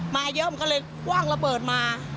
มาเยอะมันก็เลยกว้างระเบิดมา